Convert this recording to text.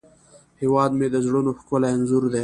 هیواد مې د زړونو ښکلی انځور دی